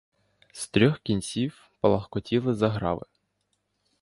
З трьох кінців палахкотіли заграви.